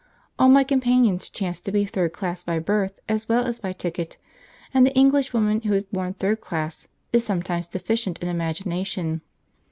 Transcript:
All my companions chanced to be third class by birth as well as by ticket, and the Englishwoman who is born third class is sometimes deficient in imagination.